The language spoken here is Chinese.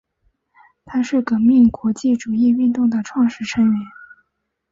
它是革命国际主义运动的创始成员。